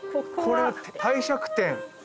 これは帝釈天。